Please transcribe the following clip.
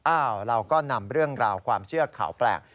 เราก็นำเรื่องราวความเชื่อข่าวแปลก